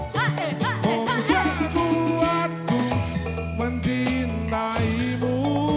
mau sebuah ku mencintaimu